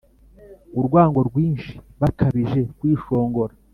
urwango rwinshi Bakabije kwishongora